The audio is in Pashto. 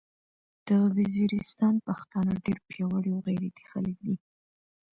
د ویزیریستان پختانه ډیر پیاوړي او غیرتي خلک دې